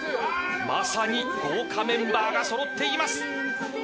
まさに豪華メンバーがそろっております。